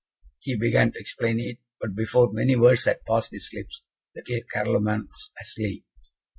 He began to explain it, but before many words had passed his lips, little Carloman was asleep.